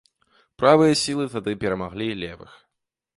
Правыя сілы тады перамаглі левых.